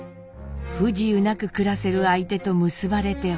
「不自由なく暮らせる相手と結ばれてほしい」。